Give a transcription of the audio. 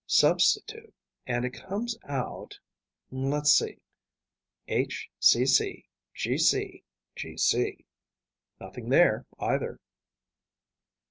Substitute and it comes out ... let's see ... HCCGCGC. Nothing there, either."